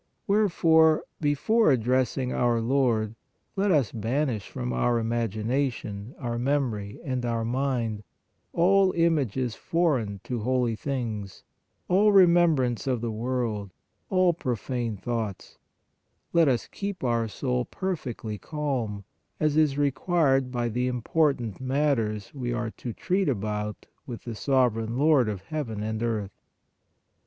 Wherefore, before addressing our Lord let us banish from our imagination, our memory and our mind all images foreign to holy things, all remembrance of the world, all profane thoughts; let us keep our soul perfectly calm, as is required by the important mat ters we are to treat about with the Sovereign Lord of heaven and earth.